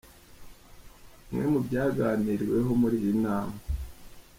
Bimwe mu byaganiriweho muri iyi nama:.